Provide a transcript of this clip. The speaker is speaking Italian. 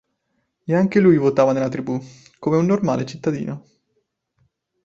E anche lui votava nella tribù, come un normale cittadino.